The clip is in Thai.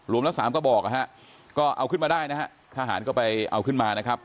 ละสามกระบอกนะฮะก็เอาขึ้นมาได้นะฮะทหารก็ไปเอาขึ้นมานะครับ